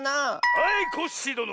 はいコッシーどの！